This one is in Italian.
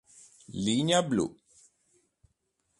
Linea blu